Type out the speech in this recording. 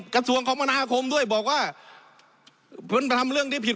กระสวงคลทมนาคมด้วยบอกว่ามันตามเรื่องที่ผิด